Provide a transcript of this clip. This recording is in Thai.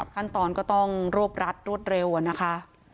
ขั้นตอนก็ต้องรวบรัดรวดเร็วอะนะคะ